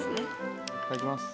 いただきます。